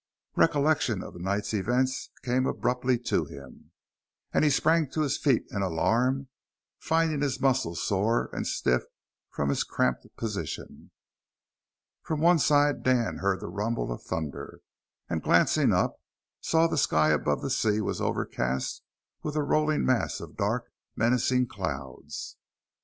Recollection of the night's events came abruptly to him, and he sprang to his feet in alarm, finding his muscles sore and stiff from his cramped position. From one side Dan heard the rumble of thunder, and, glancing up, saw that the sky above the sea was overcast with a rolling mass of dark, menacing clouds.